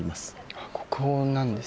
あっ国宝なんですね。